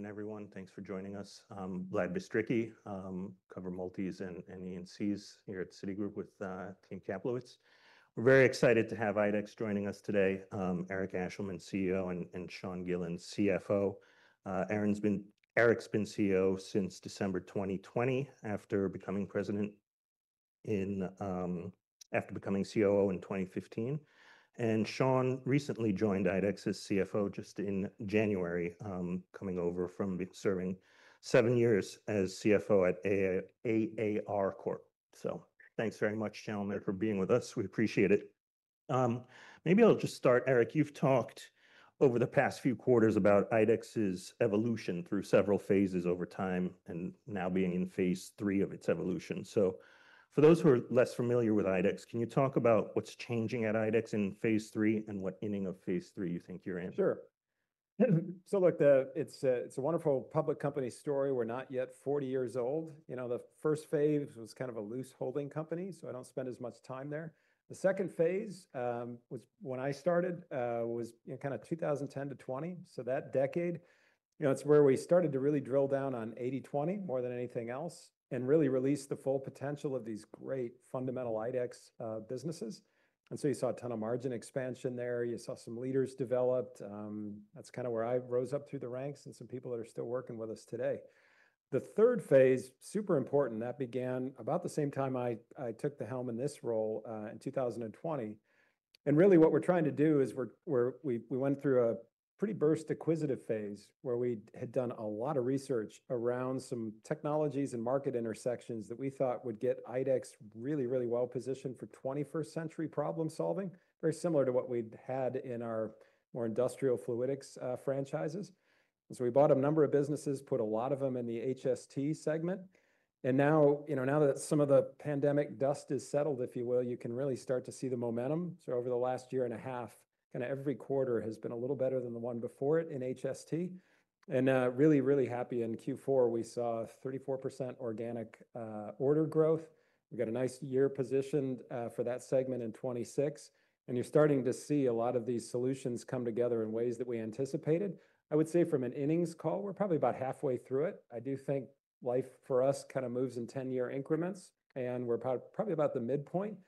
Afternoon, everyone. Thanks for joining us. Vlad Bystricky, cover multis and E&Cs here at Citigroup with Team Kaplowitz. We're very excited to have IDEX joining us today, Eric Ashleman, CEO, and Sean Gillen, CFO. Eric's been CEO since December 2020, after becoming president, after becoming COO in 2015, and Sean recently joined IDEX as CFO just in January, coming over from serving seven years as CFO at AAR Corp. So thanks very much, gentlemen, for being with us. We appreciate it. Maybe I'll just start. Eric, you've talked over the past few quarters about IDEX's evolution through several phases over time and now being in phase three of its evolution. For those who are less familiar with IDEX, can you talk about what's changing at IDEX in phase three and what inning of phase three you think you're in? Sure. So look, it's a wonderful public company story. We're not yet 40 years old. You know, the first phase was kind of a loose holding company, so I don't spend as much time there. The second phase was when I started, was in kinda 2010 to 2020. So that decade, you know, it's where we started to really drill down on 80/20 more than anything else and really release the full potential of these great fundamental IDEX businesses. And so you saw a ton of margin expansion there. You saw some leaders developed. That's kinda where I rose up through the ranks, and some people that are still working with us today. The third phase, super important, that began about the same time I took the helm in this role, in 2020. And really, what we're trying to do is we went through a pretty burst acquisitive phase, where we had done a lot of research around some technologies and market intersections that we thought would get IDEX really, really well positioned for twenty-first century problem-solving, very similar to what we'd had in our more industrial fluidics franchises. And so we bought a number of businesses, put a lot of them in the HST segment, and now, you know, now that some of the pandemic dust is settled, if you will, you can really start to see the momentum. So over the last year and a half, kinda every quarter has been a little better than the one before it in HST, and really, really happy. In Q4, we saw 34% organic order growth. We've got a nice year positioned for that segment in 2026, and you're starting to see a lot of these solutions come together in ways that we anticipated. I would say from an innings call, we're probably about halfway through it. I do think life for us kinda moves in ten-year increments, and we're probably about the midpoint.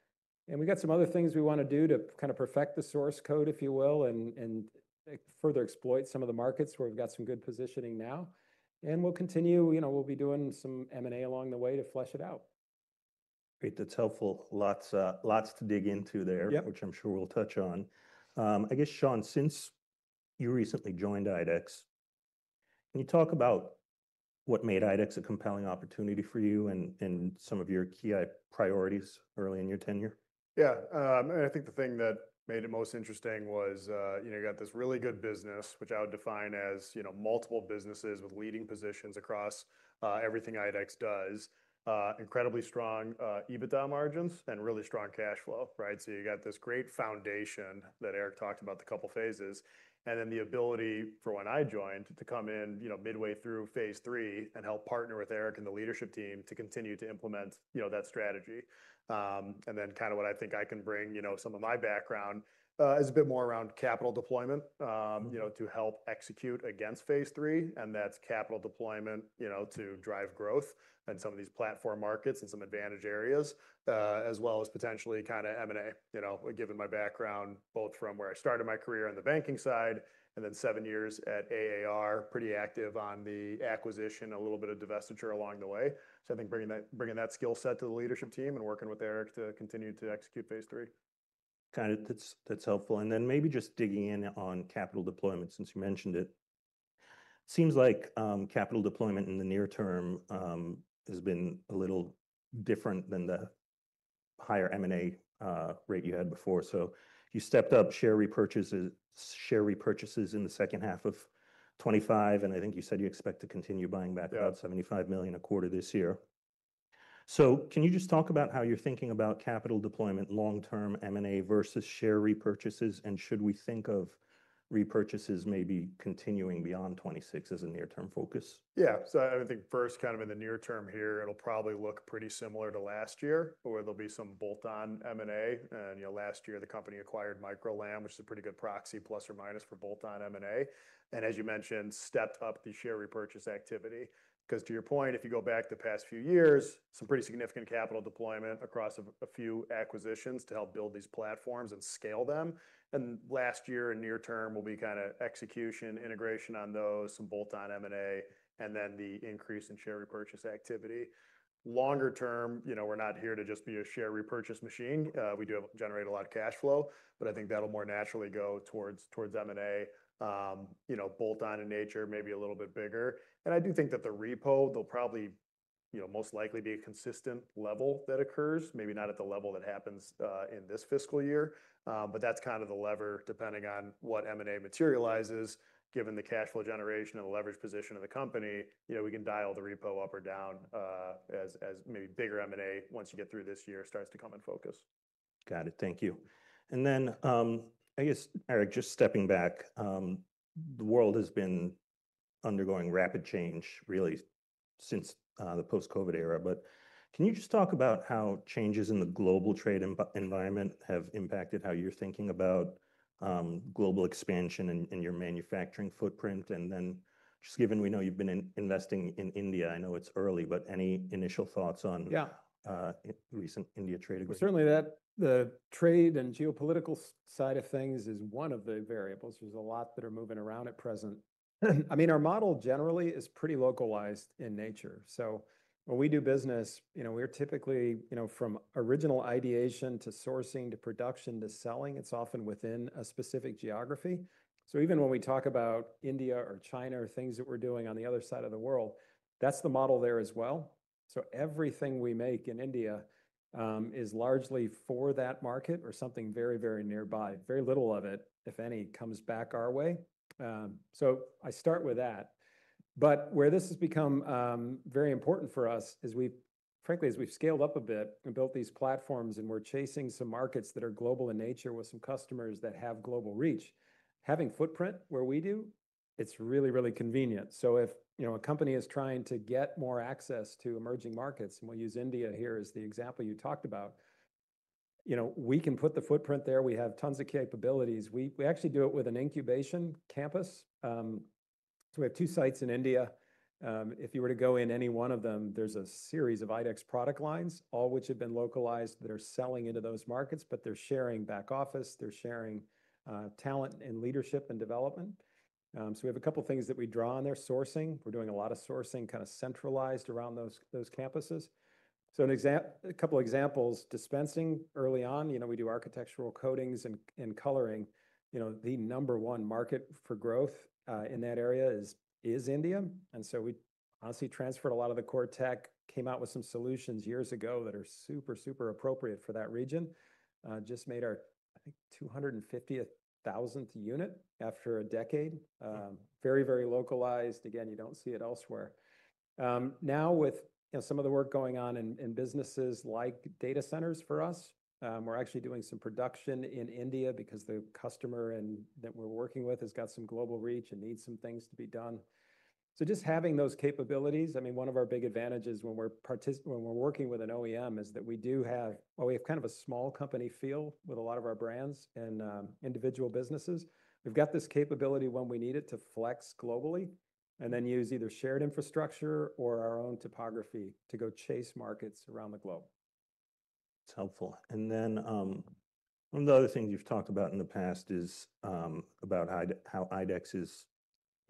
And we've got some other things we wanna do to kind of perfect the source code, if you will, and further exploit some of the markets where we've got some good positioning now, and we'll continue, you know, we'll be doing some M&A along the way to flesh it out. Great! That's helpful. Lots, lots to dig into there which I'm sure we'll touch on. I guess, Sean, since you recently joined IDEX, can you talk about what made IDEX a compelling opportunity for you and, and some of your key priorities early in your tenure? Yeah, and I think the thing that made it most interesting was, you know, you got this really good business, which I would define as, you know, multiple businesses with leading positions across everything IDEX does. Incredibly strong EBITDA margins and really strong cash flow, right? So you got this great foundation that Eric talked about, the couple phases, and then the ability, for when I joined, to come in, you know, midway through phase three and help partner with Eric and the leadership team to continue to implement, you know, that strategy. And then kinda what I think I can bring, you know, some of my background is a bit more around capital deployment, you know, to help execute against phase three, and that's capital deployment, you know, to drive growth in some of these platform markets and some advantage areas, as well as potentially kinda M&A. You know, given my background, both from where I started my career on the banking side and then seven years at AAR, pretty active on the acquisition, a little bit of divestiture along the way. So I think bringing that, bringing that skill set to the leadership team and working with Eric to continue to execute phase three. Kind of, that's helpful. And then maybe just digging in on capital deployment, since you mentioned it. Seems like capital deployment in the near term has been a little different than the higher M&A rate you had before. So you stepped up share repurchases in the second half of 2025, and I think you said you expect to continue buying back about $75 million a quarter this year. So can you just talk about how you're thinking about capital deployment, long-term M&A versus share repurchases, and should we think of repurchases maybe continuing beyond 2026 as a near-term focus? Yeah. So I would think first, kind of in the near term here, it'll probably look pretty similar to last year, where there'll be some bolt-on M&A. And, you know, last year, the company acquired Micro-LAM, which is a pretty good proxy plus or minus for bolt-on M&A, and as you mentioned, stepped up the share repurchase activity. Because to your point, if you go back the past few years, some pretty significant capital deployment across a few acquisitions to help build these platforms and scale them. And last year and near term will be kinda execution, integration on those, some bolt-on M&A, and then the increase in share repurchase activity. Longer term, you know, we're not here to just be a share repurchase machine. We do generate a lot of cash flow, but I think that'll more naturally go towards M&A, you know, bolt-on in nature, maybe a little bit bigger. I do think that the repo, they'll probably, you know, most likely be a consistent level that occurs, maybe not at the level that happens in this fiscal year. But that's kind of the lever, depending on what M&A materializes, given the cash flow generation and the leverage position of the company, you know, we can dial the repo up or down, as maybe bigger M&A, once you get through this year, starts to come in focus. Got it. Thank you. And then, I guess, Eric, just stepping back, the world has been undergoing rapid change really since the post-COVID era. But can you just talk about how changes in the global trade environment have impacted how you're thinking about global expansion and your manufacturing footprint? And then just given we know you've been investing in India, I know it's early, but any initial thoughts on recent India trade agreement? Certainly, the trade and geopolitical side of things is one of the variables. There's a lot that are moving around at present. I mean, our model generally is pretty localized in nature. So when we do business, you know, we're typically, you know, from original ideation, to sourcing, to production, to selling, it's often within a specific geography. So even when we talk about India or China or things that we're doing on the other side of the world, that's the model there as well. So everything we make in India is largely for that market or something very, very nearby. Very little of it, if any, comes back our way. So I start with that. But where this has become very important for us is we've frankly, as we've scaled up a bit and built these platforms, and we're chasing some markets that are global in nature with some customers that have global reach. Having footprint where we do, it's really, really convenient. So if, you know, a company is trying to get more access to emerging markets, and we'll use India here as the example you talked about, you know, we can put the footprint there. We have tons of capabilities. We actually do it with an incubation campus. So we have two sites in India. If you were to go in any one of them, there's a series of IDEX product lines, all which have been localized, that are selling into those markets, but they're sharing back office, they're sharing talent and leadership and development. So we have a couple of things that we draw on there. Sourcing, we're doing a lot of sourcing, kind of centralized around those, those campuses. So a couple of examples, dispensing early on, you know, we do architectural coatings and, and coloring. You know, the number one market for growth in that area is, is India, and so we honestly transferred a lot of the core tech, came out with some solutions years ago that are super, super appropriate for that region. Just made our, I think, 250,000th unit after a decade. Very, very localized. Again, you don't see it elsewhere. Now, with, you know, some of the work going on in businesses like data centers for us, we're actually doing some production in India because the customer and that we're working with has got some global reach and needs some things to be done. So just having those capabilities, I mean, one of our big advantages when we're working with an OEM, is that we do have... Well, we have kind of a small company feel with a lot of our brands and individual businesses. We've got this capability when we need it, to flex globally and then use either shared infrastructure or our own topography to go chase markets around the globe. It's helpful. And then, one of the other things you've talked about in the past is about how IDEX is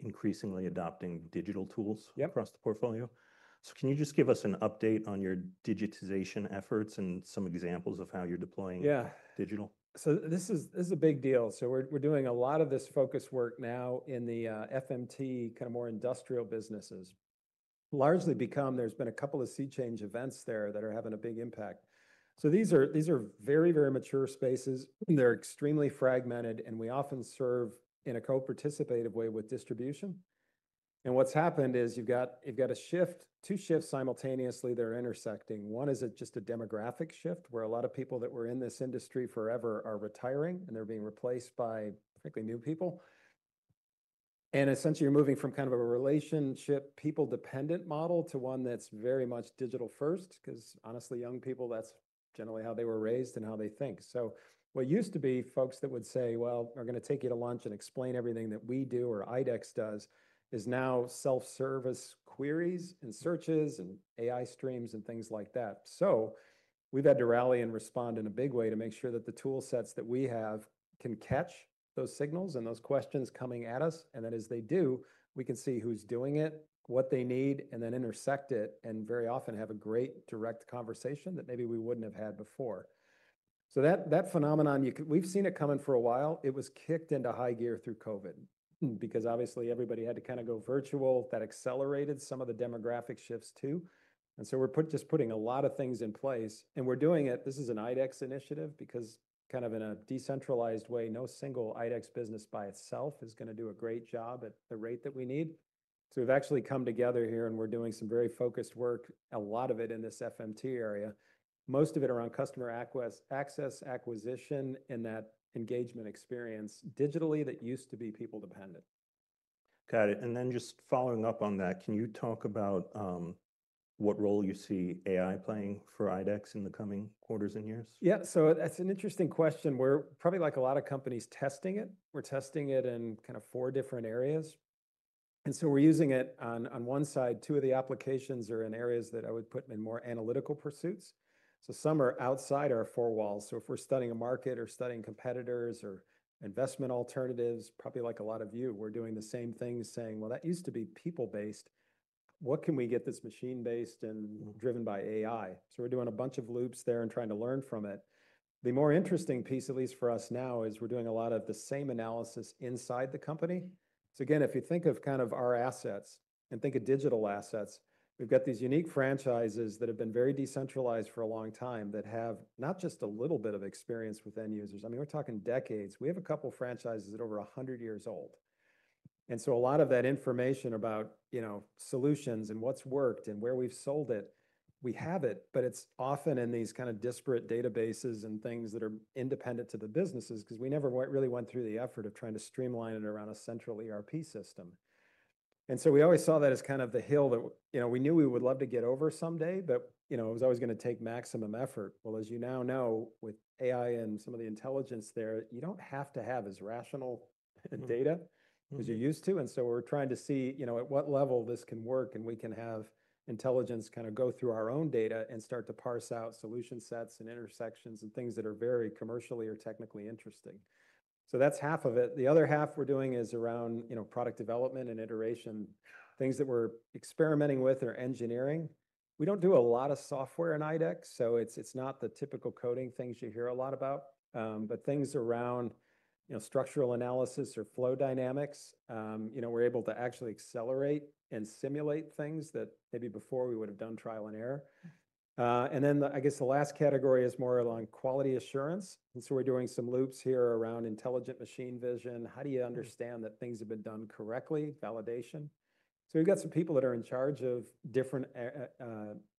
increasingly adopting digital tools across the portfolio. So can you just give us an update on your digitization efforts and some examples of how you're deploying digital? So this is, this is a big deal. So we're, we're doing a lot of this focus work now in the, FMT, kind of more industrial businesses. Largely because there's been a couple of sea change events there that are having a big impact. So these are, these are very, very mature spaces. They're extremely fragmented, and we often serve in a co-participative way with distribution. And what's happened is you've got, you've got a shift, two shifts simultaneously that are intersecting. One is just a demographic shift, where a lot of people that were in this industry forever are retiring, and they're being replaced by, frankly, new people. And essentially, you're moving from kind of a relationship, people-dependent model to one that's very much digital first, 'cause honestly, young people, that's generally how they were raised and how they think. So what used to be folks that would say: "Well, we're going to take you to lunch and explain everything that we do or IDEX does," is now self-service queries and searches and AI streams and things like that. So we've had to rally and respond in a big way to make sure that the toolsets that we have can catch those signals and those questions coming at us, and that as they do, we can see who's doing it, what they need, and then intersect it, and very often have a great direct conversation that maybe we wouldn't have had before. So that, that phenomenon, we've seen it coming for a while. It was kicked into high gear through COVID, because obviously, everybody had to kind of go virtual. That accelerated some of the demographic shifts, too. So we're just putting a lot of things in place, and we're doing it. This is an IDEX initiative because kind of in a decentralized way, no single IDEX business by itself is going to do a great job at the rate that we need. So we've actually come together here, and we're doing some very focused work, a lot of it in this FMT area, most of it around customer access, acquisition, and that engagement experience digitally, that used to be people-dependent. Got it. And then just following up on that, can you talk about what role you see AI playing for IDEX in the coming quarters and years? Yeah. So that's an interesting question. We're probably, like a lot of companies, testing it. We're testing it in kind of four different areas, and so we're using it on, on one side. Two of the applications are in areas that I would put in more analytical pursuits. So some are outside our four walls. So if we're studying a market or studying competitors or investment alternatives, probably like a lot of you, we're doing the same thing as saying: "Well, that used to be people-based. What can we get this machine-based and driven by AI?" So we're doing a bunch of loops there and trying to learn from it. The more interesting piece, at least for us now, is we're doing a lot of the same analysis inside the company. So again, if you think of kind of our assets and think of digital assets, we've got these unique franchises that have been very decentralized for a long time, that have not just a little bit of experience with end users. I mean, we're talking decades. We have a couple of franchises that are over 100 years old. And so a lot of that information about, you know, solutions and what's worked and where we've sold it, we have it, but it's often in these kind of disparate databases and things that are independent to the businesses, 'cause we never went, really went through the effort of trying to streamline it around a central ERP system. And so we always saw that as kind of the hill that, you know, we knew we would love to get over someday, but, you know, it was always gonna take maximum effort. Well, as you now know, with AI and some of the intelligence there, you don't have to have as rational data as you're used to. And so we're trying to see, you know, at what level this can work, and we can have intelligence kind of go through our own data and start to parse out solution sets and intersections and things that are very commercially or technically interesting. So that's half of it. The other half we're doing is around, you know, product development and iteration, things that we're experimenting with or engineering. We don't do a lot of software in IDEX, so it's, it's not the typical coding things you hear a lot about, but things around, you know, structural analysis or flow dynamics. You know, we're able to actually accelerate and simulate things that maybe before we would've done trial and error. And then I guess the last category is more along quality assurance, and so we're doing some loops here around intelligent machine vision. How do you understand that things have been done correctly? Validation. So we've got some people that are in charge of different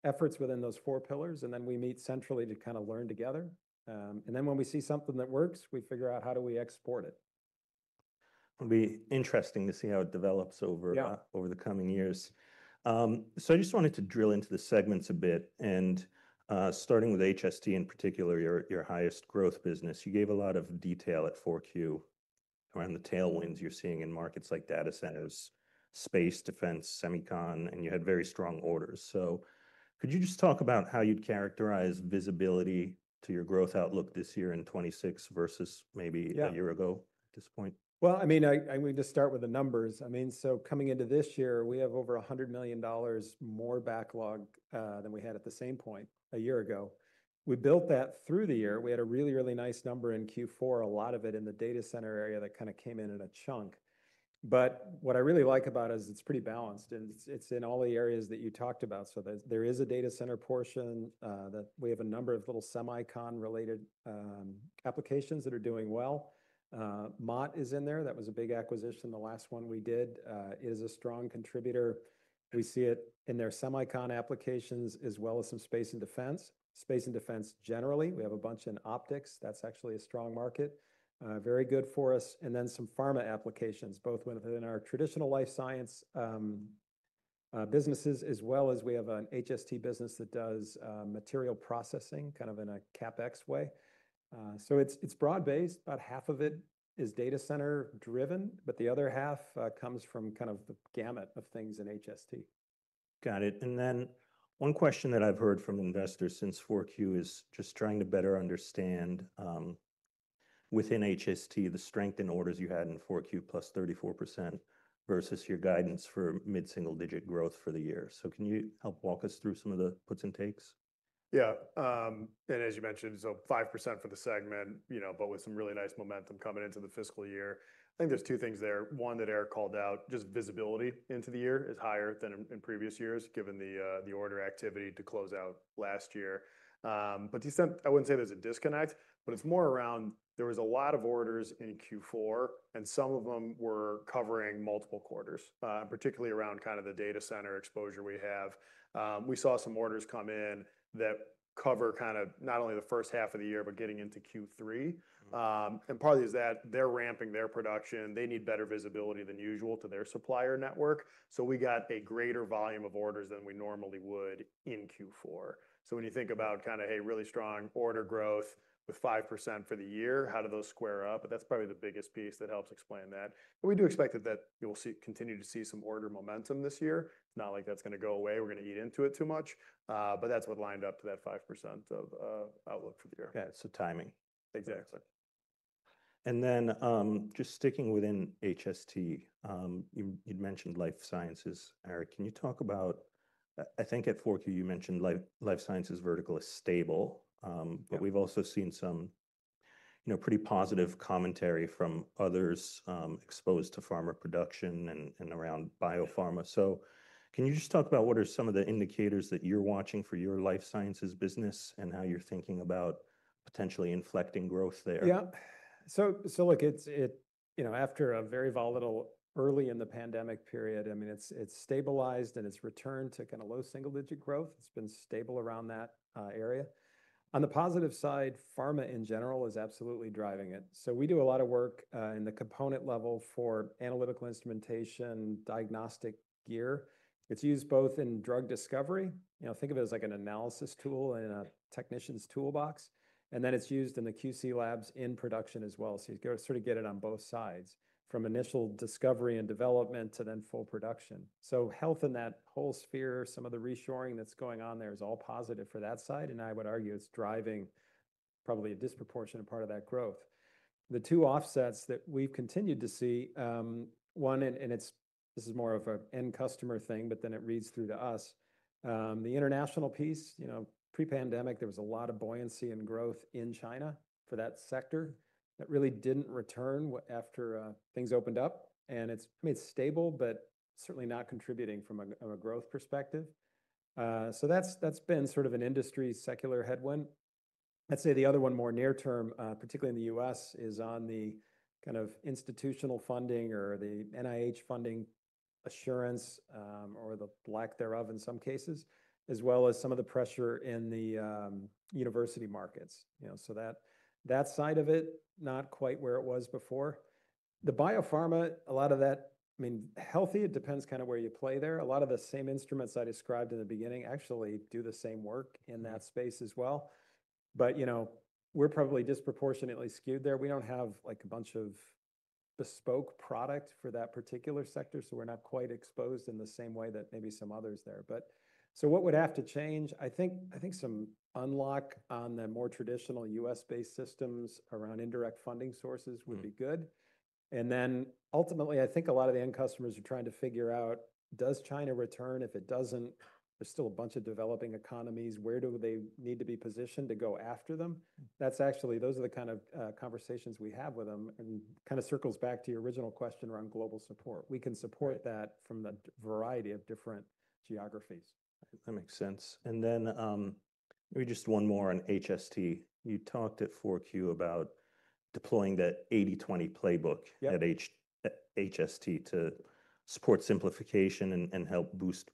efforts within those four pillars, and then we meet centrally to kind of learn together. And then when we see something that works, we figure out, how do we export it? It'll be interesting to see how it develops over over the coming years. So I just wanted to drill into the segments a bit, and, starting with HST in particular, your, your highest growth business. You gave a lot of detail at 4Q around the tailwinds you're seeing in markets like data centers, space, defense, semicon, and you had very strong orders. So could you just talk about how you'd characterize visibility to your growth outlook this year in 2026 versus maybe a year ago at this point? Well, I mean, I, I'm going to start with the numbers. I mean, so coming into this year, we have over $100 million more backlog than we had at the same point a year ago. We built that through the year. We had a really, really nice number in Q4, a lot of it in the data center area that kind of came in in a chunk. But what I really like about it is it's pretty balanced, and it's, it's in all the areas that you talked about. So there's, there is a data center portion that we have a number of little semicon-related applications that are doing well. Mott is in there. That was a big acquisition, the last one we did. It is a strong contributor. We see it in their semicon applications, as well as some space and defense. Space and defense generally, we have a bunch in optics. That's actually a strong market, very good for us. And then some pharma applications, both within our traditional life science businesses, as well as we have an HST business that does material processing, kind of in a CapEx way. So it's broad-based. About half of it is data center driven, but the other half comes from kind of the gamut of things in HST. Got it. And then one question that I've heard from investors since 4Q is just trying to better understand, within HST, the strength in orders you had in 4Q, +34%, versus your guidance for mid-single-digit growth for the year. So can you help walk us through some of the puts and takes? Yeah, and as you mentioned, so 5% for the segment, you know, but with some really nice momentum coming into the fiscal year. I think there's two things there. One, that Eric called out, just visibility into the year is higher than in previous years, given the order activity to close out last year. But he said. I wouldn't say there's a disconnect, but it's more around there was a lot of orders in Q4, and some of them were covering multiple quarters, particularly around kind of the data center exposure we have. We saw some orders come in that cover kind of not only the first half of the year, but getting into Q3. And part of it is that they're ramping their production. They need better visibility than usual to their supplier network. So we got a greater volume of orders than we normally would in Q4. So when you think about kind of, hey, really strong order growth with 5% for the year, how do those square up? But that's probably the biggest piece that helps explain that. But we do expect that you'll see, continue to see some order momentum this year. It's not like that's gonna go away, we're gonna eat into it too much. But that's what lined up to that 5% of outlook for the year. Okay, so timing. Exactly. And then, just sticking within HST, you, you'd mentioned life sciences. Eric, can you talk about... I think at 4Q, you mentioned life sciences vertical is stable but we've also seen some, you know, pretty positive commentary from others, exposed to pharma production and, and around biopharma. So can you just talk about what are some of the indicators that you're watching for your life sciences business, and how you're thinking about potentially inflecting growth there? Yeah. So look, it's... You know, after a very volatile early in the pandemic period, I mean, it's stabilized, and it's returned to kind of low single-digit growth. It's been stable around that area. On the positive side, pharma in general is absolutely driving it. So we do a lot of work in the component level for analytical instrumentation, diagnostic gear. It's used both in drug discovery, you know, think of it as like an analysis tool in a technician's toolbox, and then it's used in the QC labs in production as well. So you sort of get it on both sides, from initial discovery and development to then full production. So health in that whole sphere, some of the reshoring that's going on there, is all positive for that side, and I would argue it's driving probably a disproportionate part of that growth. The two offsets that we've continued to see, one, and it's—this is more of an end customer thing, but then it reads through to us. The international piece, you know, pre-pandemic, there was a lot of buoyancy and growth in China for that sector, that really didn't return after things opened up. And it's, I mean, it's stable, but certainly not contributing from a growth perspective. So that's, that's been sort of an industry secular headwind. I'd say the other one, more near term, particularly in the U.S., is on the kind of institutional funding or the NIH funding assurance, or the lack thereof in some cases, as well as some of the pressure in the university markets. You know, so that side of it, not quite where it was before. The biopharma, a lot of that, I mean, healthy, it depends kind of where you play there. A lot of the same instruments I described in the beginning actually do the same work in that space as well. But, you know, we're probably disproportionately skewed there. We don't have, like, a bunch of bespoke product for that particular sector, so we're not quite exposed in the same way that maybe some others there. But, so what would have to change? I think, I think some unlock on the more traditional U.S.-based systems around indirect funding sources would be good and then ultimately, I think a lot of the end customers are trying to figure out, does China return? If it doesn't, there's still a bunch of developing economies. Where do they need to be positioned to go after them? That's actually, those are the kind of conversations we have with them, and kind of circles back to your original question around global support. We can support that from a variety of different geographies. That makes sense. And then, maybe just one more on HST. You talked at 4Q about deploying that 80/20 playbook at HST to support simplification and help boost margins.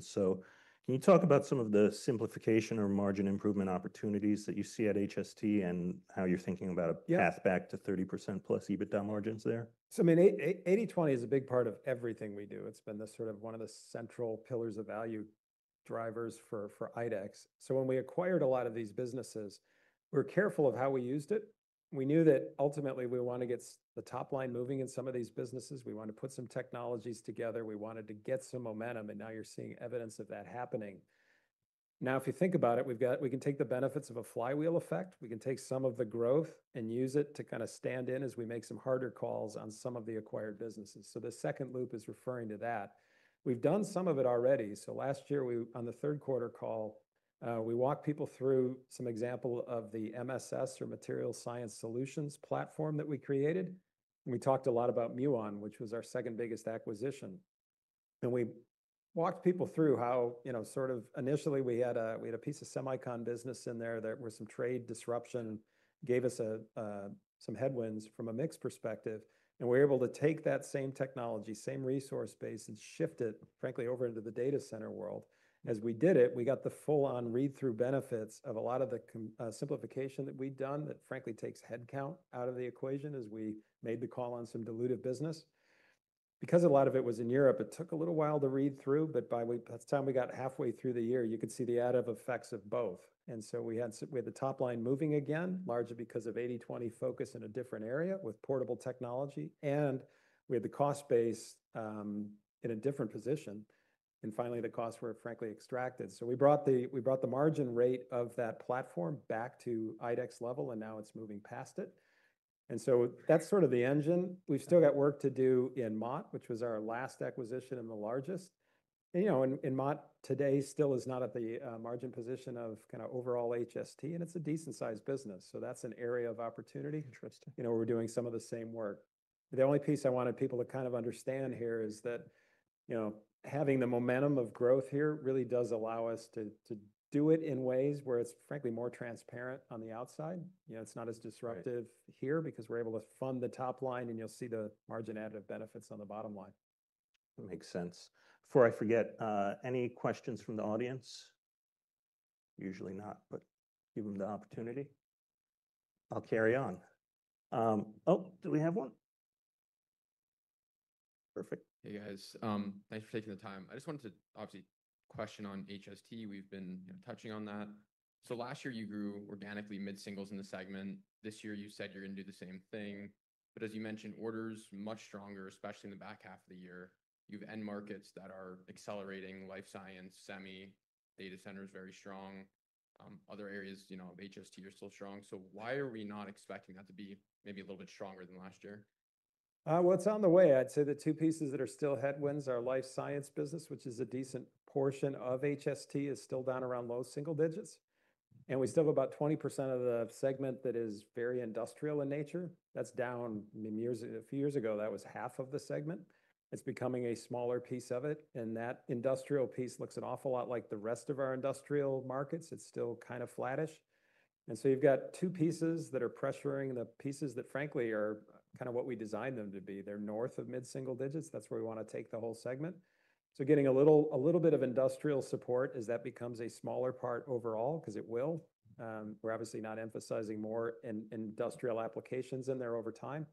So can you talk about some of the simplification or margin improvement opportunities that you see at HST, and how you're thinking about a path back to 30%+ EBITDA margins there? I mean, 80/20 is a big part of everything we do. It's been the sort of one of the central pillars of value drivers for IDEX. So when we acquired a lot of these businesses, we were careful of how we used it. We knew that ultimately we want to get the top line moving in some of these businesses. We want to put some technologies together. We wanted to get some momentum, and now you're seeing evidence of that happening. Now, if you think about it, we've got, we can take the benefits of a flywheel effect. We can take some of the growth and use it to kind of stand in as we make some harder calls on some of the acquired businesses. So the second loop is referring to that. We've done some of it already. So last year, on the third quarter call, we walked people through some example of the MSS, or Material Science Solutions platform that we created. We talked a lot about Muon, which was our second biggest acquisition. And we walked people through how, you know, sort of initially, we had a, we had a piece of semicon business in there that were some trade disruption, gave us a some headwinds from a mix perspective. And we're able to take that same technology, same resource base, and shift it, frankly, over into the data center world. As we did it, we got the full-on read-through benefits of a lot of the simplification that we'd done, that frankly takes head count out of the equation as we made the call on some dilutive business. Because a lot of it was in Europe, it took a little while to read through, but by the time we got halfway through the year, you could see the additive effects of both. And so we had the top line moving again, largely because of 80/20 focus in a different area with portable technology, and we had the cost base in a different position. And finally, the costs were frankly extracted. So we brought the margin rate of that platform back to IDEX level, and now it's moving past it. And so that's sort of the engine. We've still got work to do in Mott, which was our last acquisition and the largest. You know, Mott today still is not at the margin position of kind of overall HST, and it's a decent-sized business, so that's an area of opportunity. Interesting. You know, we're doing some of the same work. The only piece I wanted people to kind of understand here is that, you know, having the momentum of growth here really does allow us to, to do it in ways where it's frankly more transparent on the outside. You know, it's not as disruptive here because we're able to fund the top line, and you'll see the margin additive benefits on the bottom line. That makes sense. Before I forget, any questions from the audience? Usually not, but give them the opportunity. I'll carry on. Oh, do we have one? Perfect. Hey, guys. Thanks for taking the time. I just wanted to obviously question on HST. We've been, you know, touching on that. So last year you grew organically mid-singles in the segment. This year you said you're gonna do the same thing, but as you mentioned, order's much stronger, especially in the back half of the year. You've end markets that are accelerating, life science, semi, data center is very strong. Other areas, you know, of HST are still strong. So why are we not expecting that to be maybe a little bit stronger than last year? Well, it's on the way. I'd say the two pieces that are still headwinds are life science business, which is a decent portion of HST, is still down around low single digits. And we still have about 20% of the segment that is very industrial in nature. That's down, I mean, years, a few years ago, that was half of the segment. It's becoming a smaller piece of it, and that industrial piece looks an awful lot like the rest of our industrial markets. It's still kind of flattish. And so you've got two pieces that are pressuring the pieces that, frankly, are kind of what we designed them to be. They're north of mid-single digits. That's where we want to take the whole segment. So getting a little, a little bit of industrial support as that becomes a smaller part overall, 'cause it will. We're obviously not emphasizing more industrial applications in there over time.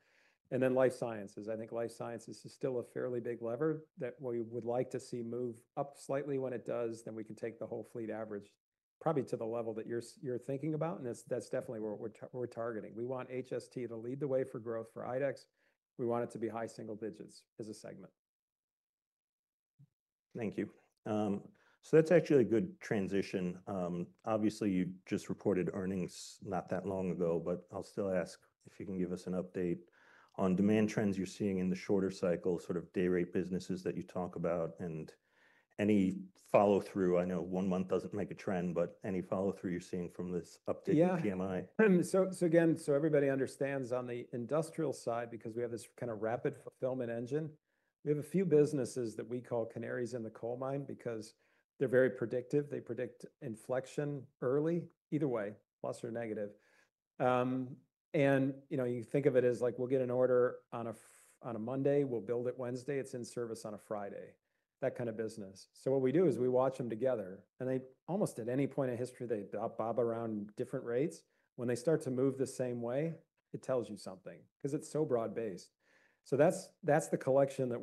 And then life sciences. I think life sciences is still a fairly big lever that we would like to see move up slightly when it does, then we can take the whole fleet average, probably to the level that you're thinking about, and that's definitely what we're targeting. We want HST to lead the way for growth for IDEX. We want it to be high single digits as a segment. Thank you. So that's actually a good transition. Obviously, you just reported earnings not that long ago, but I'll still ask if you can give us an update on demand trends you're seeing in the shorter cycle, sort of day rate businesses that you talk about, and any follow-through. I know one month doesn't make a trend, but any follow-through you're seeing from this update in PMI? Yeah. So, so again, so everybody understands on the industrial side, because we have this kind of rapid fulfillment engine, we have a few businesses that we call canaries in the coal mine because they're very predictive. They predict inflection early, either way, plus or negative. And, you know, you think of it as like, we'll get an order on a Monday, we'll build it Wednesday, it's in service on a Friday, that kind of business. So what we do is we watch them together, and they almost at any point in history, they bob around different rates. When they start to move the same way, it tells you something, 'cause it's so broad-based. So that's, that's the collection that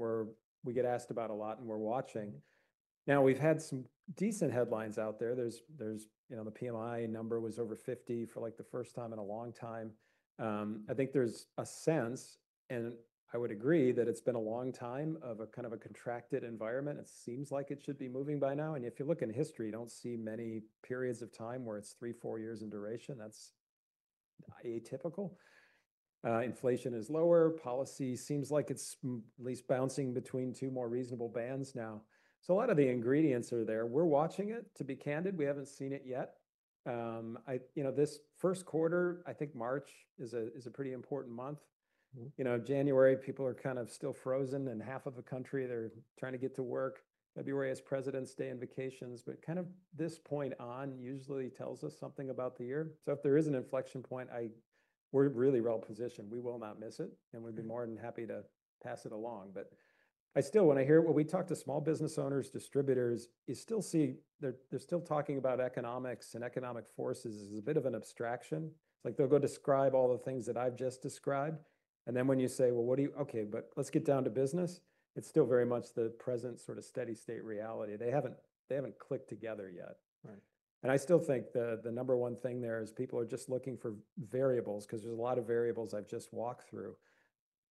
we get asked about a lot, and we're watching. Now, we've had some decent headlines out there. You know, the PMI number was over 50 for, like, the first time in a long time. I think there's a sense, and I would agree, that it's been a long time of a kind of a contracted environment. It seems like it should be moving by now, and if you look in history, you don't see many periods of time where it's 3-4 years in duration. That's atypical. Inflation is lower. Policy seems like it's at least bouncing between two more reasonable bands now. So a lot of the ingredients are there. We're watching it. To be candid, we haven't seen it yet. You know, this first quarter, I think March is a pretty important month. You know, January, people are kind of still frozen, in half of the country, they're trying to get to work. February has Presidents' Day and vacations, but kind of from this point on usually tells us something about the year. So if there is an inflection point, we're really well positioned. We will not miss it, and we'd be more than happy to pass it along. But I still, when I hear. When we talk to small business owners, distributors, you still see—they're still talking about economics and economic forces as a bit of an abstraction. It's like they'll go describe all the things that I've just described, and then when you say: "Well, what do you... Okay, but let's get down to business," it's still very much the present sort of steady state reality. They haven't clicked together yet. Right. I still think the, the number one thing there is people are just looking for variables, 'cause there's a lot of variables I've just walked through.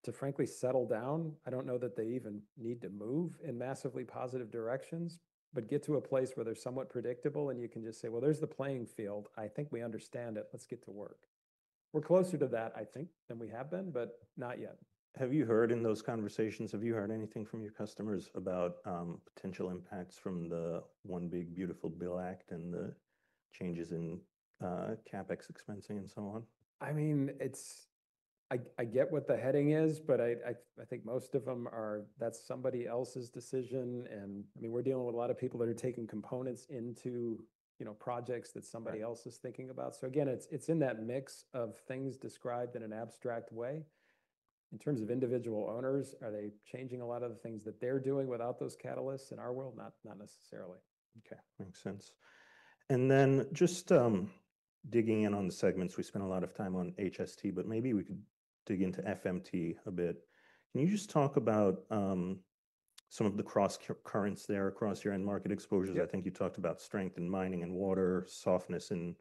To frankly settle down, I don't know that they even need to move in massively positive directions, but get to a place where they're somewhat predictable, and you can just say: "Well, there's the playing field. I think we understand it. Let's get to work." We're closer to that, I think, than we have been, but not yet. Have you heard in those conversations, have you heard anything from your customers about potential impacts from the One Big Beautiful Bill Act and the changes in CapEx expensing and so on? I mean, it's... I get what the heading is, but I think most of them are, "That's somebody else's decision," and, I mean, we're dealing with a lot of people that are taking components into, you know, projects that somebody else is thinking about. So again, it's, it's in that mix of things described in an abstract way. In terms of individual owners, are they changing a lot of the things that they're doing without those catalysts in our world? Not, not necessarily. Okay, makes sense. And then just digging in on the segments, we spent a lot of time on HST, but maybe we could dig into FMT a bit. Can you just talk about some of the cross currents there across your end market exposures? Yeah. I think you talked about strength in mining and water, softness in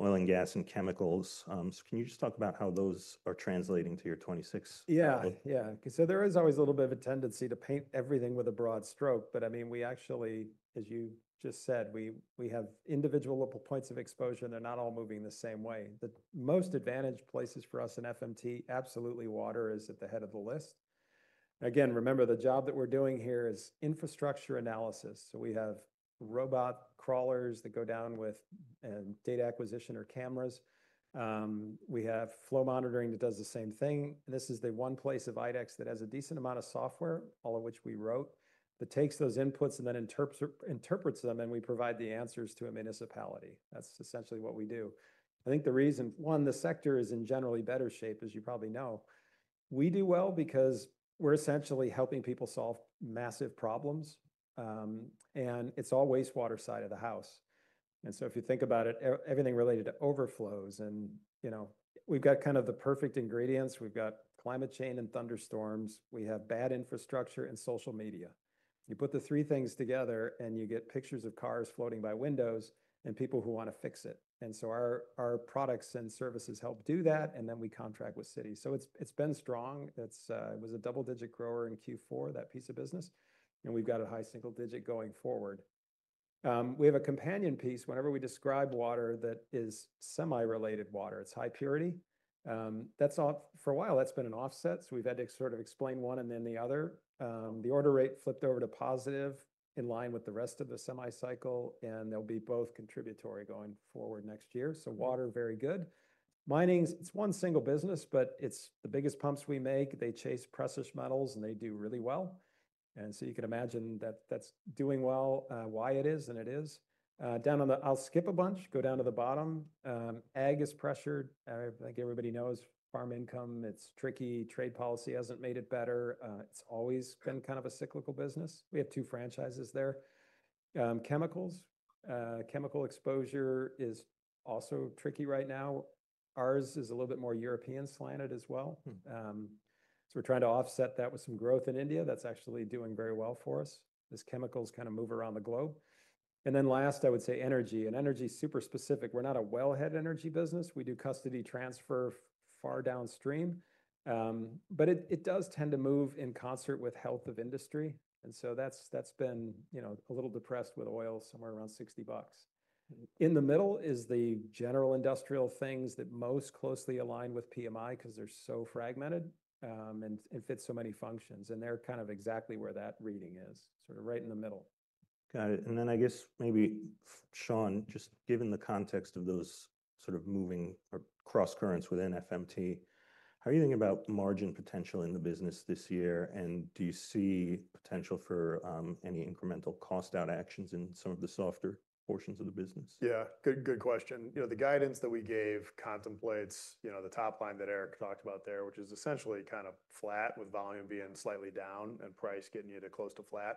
oil and gas and chemicals. Can you just talk about how those are translating to your 2026? Yeah, yeah. So there is always a little bit of a tendency to paint everything with a broad stroke, but I mean, we actually, as you just said, we, we have individual points of exposure, and they're not all moving the same way. The most advantaged places for us in FMT, absolutely water is at the head of the list. Again, remember, the job that we're doing here is infrastructure analysis, so we have robot crawlers that go down with data acquisition or cameras. We have flow monitoring that does the same thing. This is the one place of IDEX that has a decent amount of software, all of which we wrote, that takes those inputs and then interprets, interprets them, and we provide the answers to a municipality. That's essentially what we do. I think the reason, one, the sector is in generally better shape, as you probably know. We do well because we're essentially helping people solve massive problems, and it's all wastewater side of the house. And so if you think about it, everything related to overflows and, you know, we've got kind of the perfect ingredients. We've got climate change and thunderstorms, we have bad infrastructure and social media. You put the three things together, and you get pictures of cars floating by windows and people who want to fix it. And so our, our products and services help do that, and then we contract with cities. So it's, it's been strong. It's, it was a double-digit grower in Q4, that piece of business, and we've got a high single digit going forward. We have a companion piece. Whenever we describe water that is Semi-related water, it's high purity. That's offset for a while, that's been an offset, so we've had to sort of explain one and then the other. The order rate flipped over to positive in line with the rest of the semi cycle, and they'll be both contributory going forward next year, so water, very good. Mining's, it's one single business, but it's the biggest pumps we make. They chase precious metals, and they do really well, and so you can imagine that that's doing well, why it is, and it is. Down on the... I'll skip a bunch, go down to the bottom. Ag is pressured. I think everybody knows farm income, it's tricky. Trade policy hasn't made it better. It's always been kind of a cyclical business. We have two franchises there. Chemicals. Chemical exposure is also tricky right now. Ours is a little bit more European slanted as well. So we're trying to offset that with some growth in India. That's actually doing very well for us as chemicals kind of move around the globe. And then last, I would say energy, and energy is super specific. We're not a wellhead energy business. We do custody transfer far downstream, but it does tend to move in concert with health of industry, and so that's been, you know, a little depressed with oil, somewhere around $60. In the middle is the general industrial things that most closely align with PMI because they're so fragmented, and fit so many functions, and they're kind of exactly where that reading is, sort of right in the middle. Got it. And then I guess maybe, Sean, just given the context of those sort of moving or cross currents within FMT. How are you thinking about margin potential in the business this year, and do you see potential for any incremental cost-out actions in some of the softer portions of the business? Yeah, good, good question. You know, the guidance that we gave contemplates, you know, the top line that Eric talked about there, which is essentially kind of flat, with volume being slightly down and price getting you to close to flat,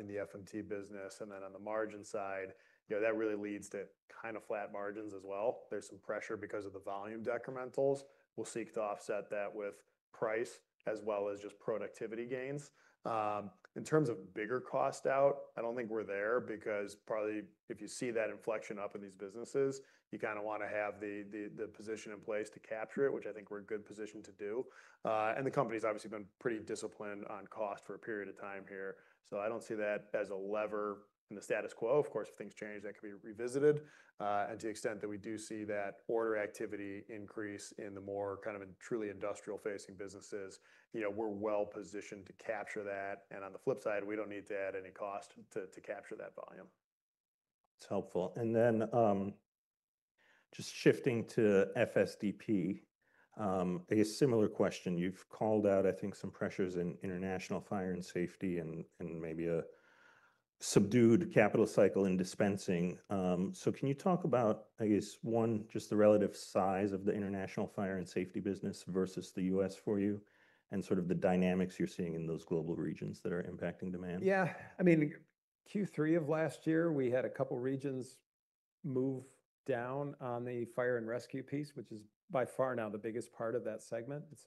in the FMT business. And then on the margin side, you know, that really leads to kind of flat margins as well. There's some pressure because of the volume decrementals. We'll seek to offset that with price as well as just productivity gains. In terms of bigger cost out, I don't think we're there, because probably if you see that inflection up in these businesses, you kinda wanna have the position in place to capture it, which I think we're in good position to do. and the company's obviously been pretty disciplined on cost for a period of time here, so I don't see that as a lever in the status quo. Of course, if things change, that can be revisited. and to the extent that we do see that order activity increase in the more kind of truly industrial-facing businesses, you know, we're well positioned to capture that, and on the flip side, we don't need to add any cost to capture that volume. That's helpful. Then, just shifting to FSDP, I guess similar question. You've called out, I think, some pressures in international fire and safety and, and maybe a subdued capital cycle in dispensing. So can you talk about, I guess, one, just the relative size of the international fire and safety business versus the U.S. for you, and sort of the dynamics you're seeing in those global regions that are impacting demand? Yeah. I mean, Q3 of last year, we had a couple regions move down on the fire and rescue piece, which is by far now the biggest part of that segment. It's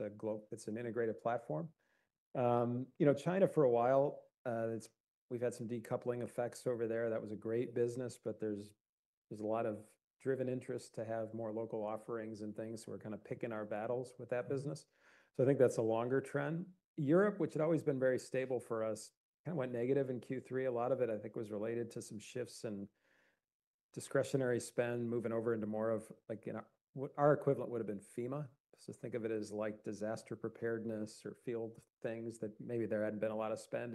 an integrated platform. You know, China, for a while, we've had some decoupling effects over there. That was a great business, but there's a lot of driven interest to have more local offerings and things, so we're kinda picking our battles with that business. So I think that's a longer trend. Europe, which had always been very stable for us, kinda went negative in Q3. A lot of it, I think, was related to some shifts in discretionary spend, moving over into more of like, you know... Our equivalent would've been FEMA, so think of it as like disaster preparedness or field things that maybe there hadn't been a lot of spend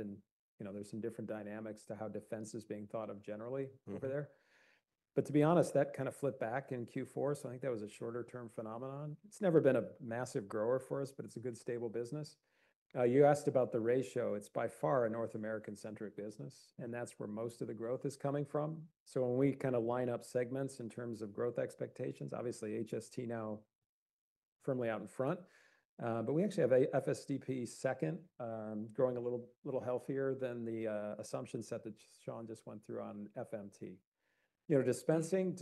and, you know, there's some different dynamics to how defense is being thought of generally over there. But to be honest, that kind of flipped back in Q4, so I think that was a shorter-term phenomenon. It's never been a massive grower for us, but it's a good, stable business. You asked about the ratio. It's by far a North American-centric business, and that's where most of the growth is coming from. So when we kinda line up segments in terms of growth expectations, obviously HST now firmly out in front, but we actually have a FSDP second, growing a little healthier than the assumption set that Sean just went through on FMT. You know, dispensing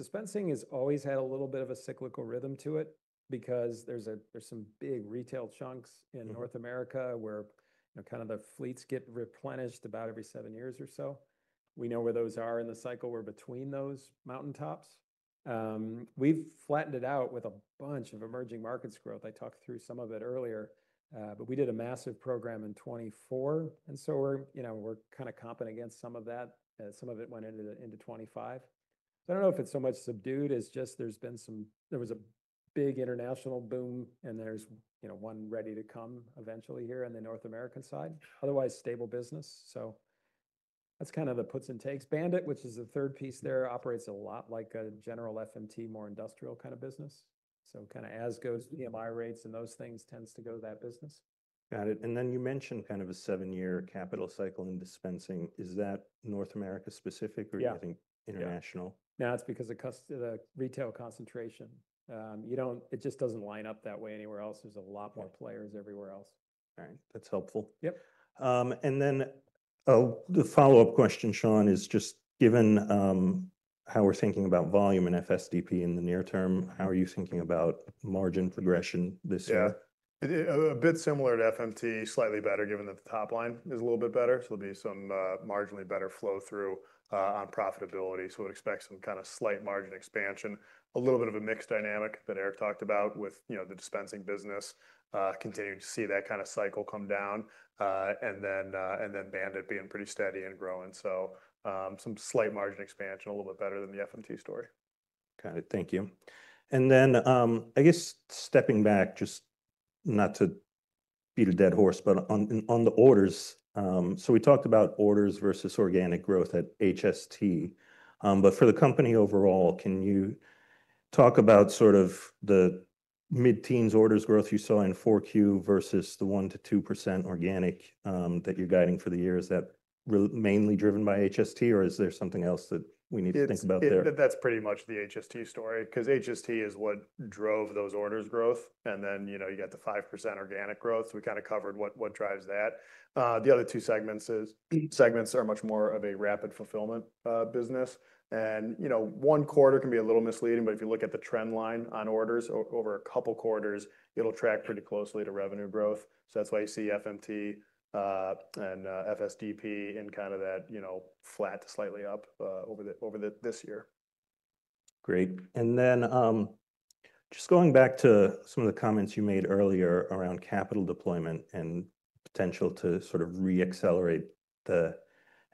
has always had a little bit of a cyclical rhythm to it because there's some big retail chunks in North America where, you know, kind of the fleets get replenished about every 7 years or so. We know where those are in the cycle. We're between those mountaintops. We've flattened it out with a bunch of emerging markets growth. I talked through some of it earlier, but we did a massive program in 2024, and so we're, you know, we're kinda comping against some of that. Some of it went into the, into 2025. So I don't know if it's so much subdued, as just there's been some... There was a big international boom, and there's, you know, one ready to come eventually here on the North American side. Otherwise, stable business, so that's kind of the puts and takes. BAND-IT, which is the third piece there, operates a lot like a general FMT, more industrial kind of business, so kinda as goes PMI rates and those things tends to go that business. Got it. And then you mentioned kind of a 7-year capital cycle in dispensing. Is that North America specific or do you think international? No, it's because of the retail concentration. It just doesn't line up that way anywhere else. There's a lot more players everywhere else. All right, that's helpful. Then, the follow-up question, Sean, is just given how we're thinking about volume in FSDP in the near term, how are you thinking about margin progression this year? Yeah. A bit similar to FMT, slightly better, given that the top line is a little bit better, so there'll be some marginally better flow-through on profitability. So we expect some kind of slight margin expansion. A little bit of a mixed dynamic that Eric talked about with, you know, the dispensing business continuing to see that kind of cycle come down, and then BAND-IT being pretty steady and growing. So, some slight margin expansion, a little bit better than the FMT story. Got it. Thank you. And then, I guess stepping back, just not to beat a dead horse, but on the orders. So we talked about orders versus organic growth at HST, but for the company overall, can you talk about sort of the mid-teens orders growth you saw in 4Q versus the 1%-2% organic that you're guiding for the year? Is that mainly driven by HST, or is there something else that we need to think about there? It's, that's pretty much the HST story, 'cause HST is what drove those orders growth, and then, you know, you got the 5% organic growth, so we kinda covered what, what drives that. The other two segments is-- segments are much more of a rapid fulfillment business, and, you know, one quarter can be a little misleading, but if you look at the trend line on orders over a couple quarters, it'll track pretty closely to revenue growth. So that's why you see FMT and FSDP in kind of that, you know, flat to slightly up over the, over the, this year. Great. Then, just going back to some of the comments you made earlier around capital deployment and potential to sort of re-accelerate the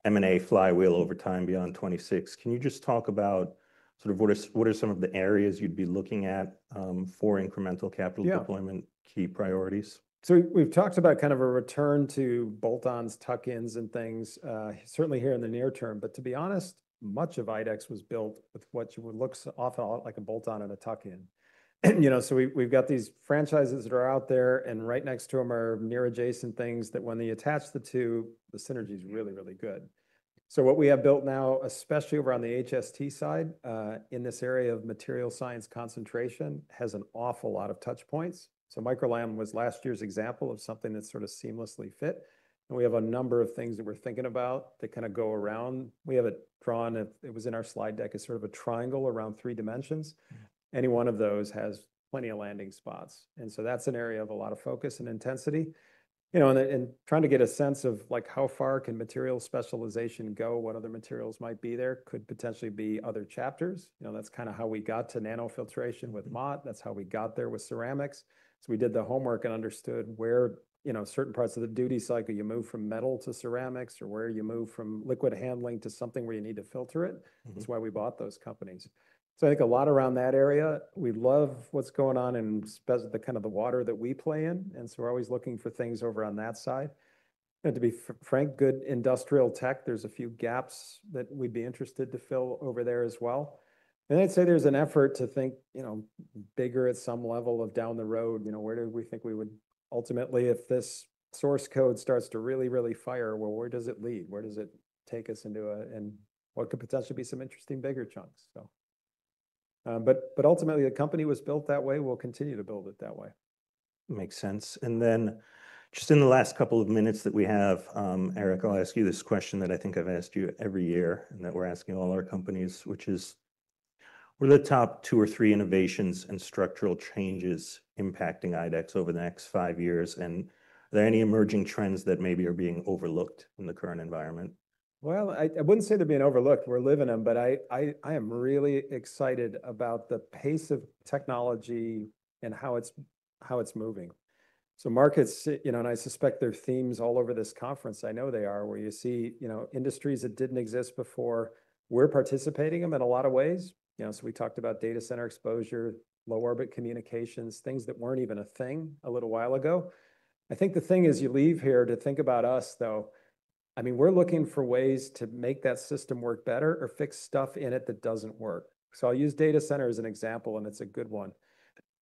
M&A flywheel over time beyond 26. Can you just talk about sort of what are, what are some of the areas you'd be looking at, for incremental capital deployment, key priorities? So we've talked about kind of a return to bolt-ons, tuck-ins and things, certainly here in the near term. But to be honest, much of IDEX was built with what would look an awful lot like a bolt-on and a tuck-in. You know, so we, we've got these franchises that are out there, and right next to them are near adjacent things that when they attach the two, the synergy is really, really good. So what we have built now, especially over on the HST side, in this area of material science concentration, has an awful lot of touch points. So Micro-LAM was last year's example of something that sort of seamlessly fit, and we have a number of things that we're thinking about that kind of go around. We have it drawn. It was in our slide deck as sort of a triangle around three dimensions. Any one of those has plenty of landing spots, and so that's an area of a lot of focus and intensity. You know, and trying to get a sense of, like, how far can material specialization go? What other materials might be there? Could potentially be other chapters. You know, that's kind of how we got to nanofiltration with Mott. That's how we got there with ceramics. So we did the homework and understood where, you know, certain parts of the duty cycle you move from metal to ceramics, or where you move from liquid handling to something where you need to filter it. That's why we bought those companies. So I think a lot around that area, we love what's going on, and the kind of the water that we play in, and so we're always looking for things over on that side. And to be frank, good industrial tech, there's a few gaps that we'd be interested to fill over there as well. And I'd say there's an effort to think, you know, bigger at some level down the road. You know, where do we think we would ultimately, if this source code starts to really, really fire, well, where does it lead? Where does it take us into a... And what could potentially be some interesting, bigger chunks, so. But ultimately, the company was built that way. We'll continue to build it that way. Makes sense. And then, just in the last couple of minutes that we have, Eric, I'll ask you this question that I think I've asked you every year, and that we're asking all our companies, which is: What are the top two or three innovations and structural changes impacting IDEX over the next five years? And are there any emerging trends that maybe are being overlooked in the current environment? Well, I wouldn't say they're being overlooked, we're living them, but I am really excited about the pace of technology and how it's moving. So markets, you know, and I suspect there are themes all over this conference, I know they are, where you see, you know, industries that didn't exist before. We're participating in them in a lot of ways. You know, so we talked about data center exposure, low orbit communications, things that weren't even a thing a little while ago. I think the thing is, you leave here to think about us, though. I mean, we're looking for ways to make that system work better or fix stuff in it that doesn't work. So I'll use data center as an example, and it's a good one.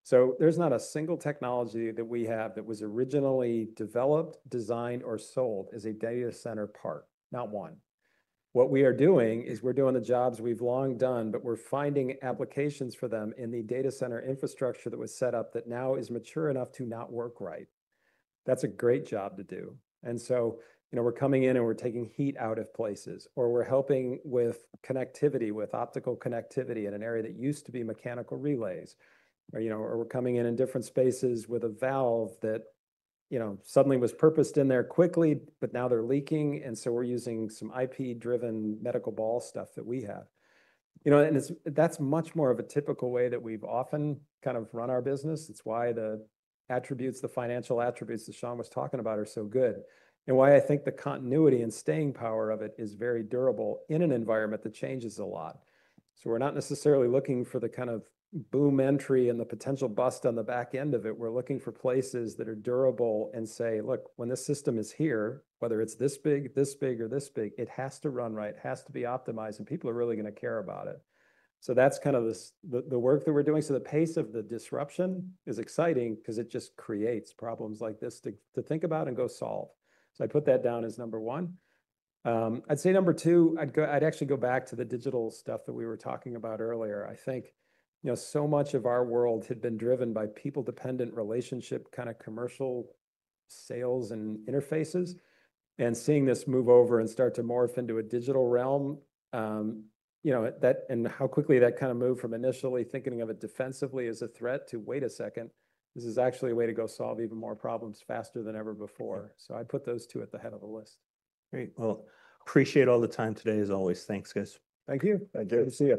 So there's not a single technology that we have that was originally developed, designed, or sold as a data center part, not one. What we are doing, is we're doing the jobs we've long done, but we're finding applications for them in the data center infrastructure that was set up that now is mature enough to not work right. That's a great job to do. And so, you know, we're coming in and we're taking heat out of places, or we're helping with connectivity, with optical connectivity in an area that used to be mechanical relays. Or, you know, or we're coming in in different spaces with a valve that, you know, suddenly was purposed in there quickly, but now they're leaking, and so we're using some IP-driven medical ball stuff that we have. You know, and that's much more of a typical way that we've often kind of run our business. It's why the attributes, the financial attributes that Sean was talking about, are so good, and why I think the continuity and staying power of it is very durable in an environment that changes a lot. So we're not necessarily looking for the kind of boom entry and the potential bust on the back end of it. We're looking for places that are durable and say, "Look, when this system is here, whether it's this big, this big, or this big, it has to run right, it has to be optimized, and people are really going to care about it." So that's kind of the work that we're doing. So the pace of the disruption is exciting because it just creates problems like this to think about and go solve. So I put that down as number one. I'd say number two, I'd actually go back to the digital stuff that we were talking about earlier. I think, you know, so much of our world had been driven by people-dependent, relationship, kind of commercial sales and interfaces, and seeing this move over and start to morph into a digital realm, you know, that, and how quickly that kind of moved from initially thinking of it defensively as a threat to, "Wait a second, this is actually a way to go solve even more problems faster than ever before." So I'd put those two at the head of the list. Great! Well, appreciate all the time today, as always. Thanks, guys. Thank you. Thank you. Good to see you.